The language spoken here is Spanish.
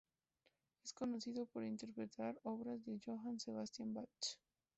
Es conocido por interpretar obras de Johann Sebastian Bach.